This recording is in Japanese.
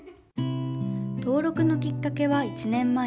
登録のきっかけは１年前。